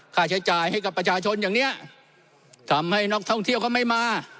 ค่าใช้จ่ายให้กับประชาชนอย่างเนี้ยทำให้นักท่องเที่ยวเขาไม่มา